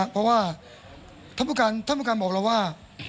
เพราะว่าท่านผู้การบอกเราว่า